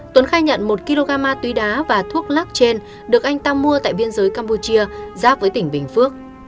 tuấn khai nhận một kg tùy đá và thuốc lắc trên được anh ta mua tại biên giới campuchia giáp với tỉnh bình phước